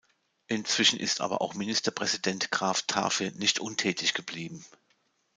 Inzwischen ist aber auch Ministerpräsident Graf Taaffe nicht untätig geblieben.